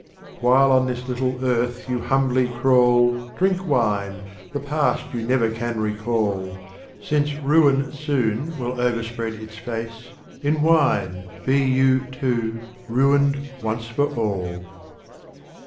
44 Strophes of Omar Khayyam. XXII. While on this little Earth you humbly crawl, Drink Wine, the Past you never can recall, Since Ruin soon will overspread its Face, In Wine, be you too, ruined once for all. XXIll.